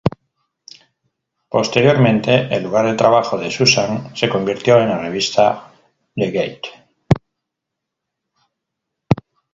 Posteriormente, el lugar de trabajo de Susan se convirtió en la revista "The Gate".